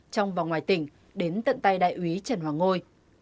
trong và ngoài tỉnh đến tận tay đại úy trần hoàng ngôi